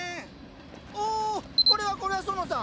おこれはこれは園さん。